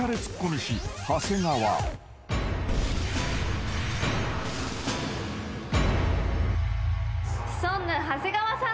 シソンヌ長谷川さん